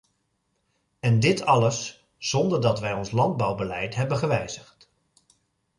En dit alles, zonder dat wij ons landbouwbeleid hebben gewijzigd.